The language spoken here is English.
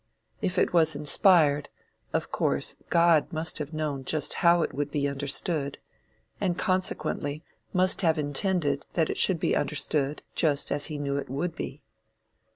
If it was inspired, of course God must have known just how it would be understood, and consequently must have intended that it should be understood just as he knew it would be.